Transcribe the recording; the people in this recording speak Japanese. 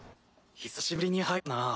久しぶりに入ったなぁ。